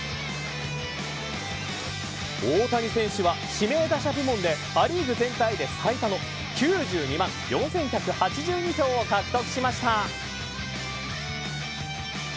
大谷選手は指名打者部門でア・リーグ全体で最多の９２万４１８２票を獲得しました。